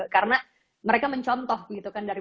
karena mereka mencontoh gitu kan dari